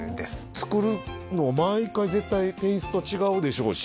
作るの毎回絶対テイスト違うでしょうし。